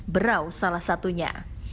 berau salah satunya